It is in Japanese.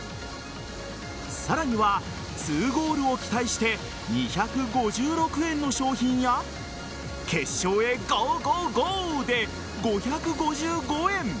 さらには、２ゴールを期待して２５６円の商品や決勝へゴーゴーゴーで５５５円。